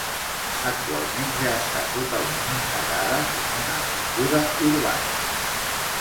Actualment ja està totalment integrada com una avinguda urbana.